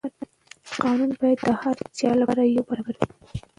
قانون باید د هر چا لپاره یو برابر وي.